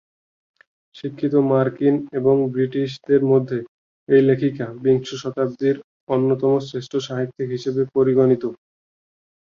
শিক্ষিত মার্কিন এবং ব্রিটিশদের মধ্যে এই লেখিকা বিংশ শতাব্দীর অন্যতম শ্রেষ্ঠ সাহিত্যিক হিসেবে পরিগণিত।